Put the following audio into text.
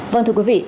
vâng thưa quý vị